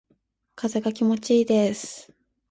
風が気持ちいいです。